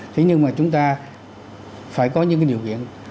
thế nhưng mà chúng ta phải có những cái điều kiện